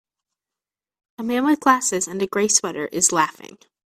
A man with glasses and a gray sweater is laughing.